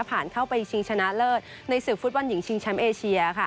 ผ่านเข้าไปชิงชนะเลิศในศึกฟุตบอลหญิงชิงแชมป์เอเชีย